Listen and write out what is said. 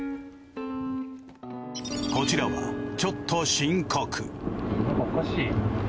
こちらはちょっと深刻。